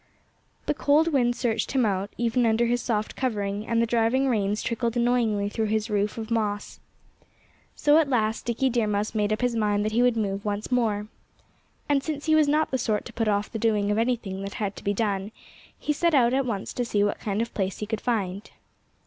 The cold wind searched him out, even under his soft covering; and the driving rains trickled annoyingly through his roof of moss. So at last Dickie Deer Mouse made up his mind that he would move once more. And since he was not the sort to put off the doing of anything that had to be done, he set out at once to see what kind of place he could find.